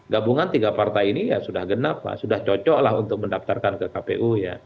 gabungan tiga partai ini sudah cocok untuk mendaftarkan ke kpu